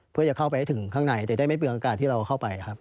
เพื่อจะเข้าไปให้ถึงข้างในแต่ได้ไม่เปลืองอากาศที่เราเข้าไปครับ